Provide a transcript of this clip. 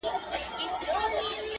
دا زښته د شرم خبره وه